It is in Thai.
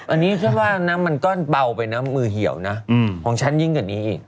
อันนี้ฉันว่านะมันก็เบาไปนะมือเหี่ยวนะของฉันยิ่งกว่านี้อีก